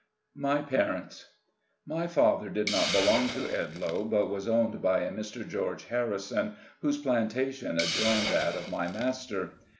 MY PARENTS. My father did not belong to Edloe, but was owned by a Mr. George Harrison, whose plantation adjoined that of my master.